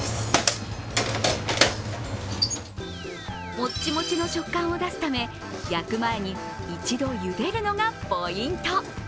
もっちもちの食感を出すため焼く前に一度ゆでるのがポイント。